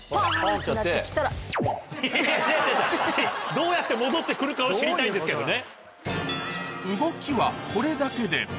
どうやって戻って来るかを知りたいんですけどね。